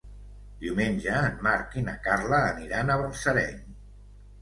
Diumenge en Marc i na Carla aniran a Balsareny.